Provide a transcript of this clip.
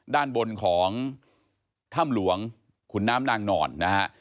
ด้านบนของถ้ำหลวงขุนน้ำนางนอนนะฮะ